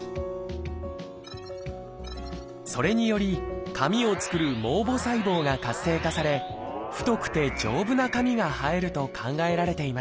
それにより髪を作る毛母細胞が活性化され太くて丈夫な髪が生えると考えられています